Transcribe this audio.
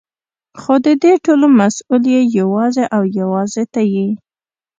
خو ددې ټولو مسؤل يې يوازې او يوازې ته يې.